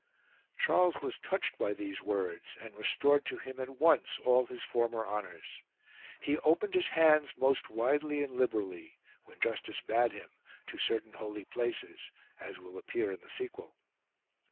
Charles was touched by these words and restored to him at once all his former honours. He opened his hands, most widely and liberally, when justice bade him, to certain holy places, as will appear in the sequel.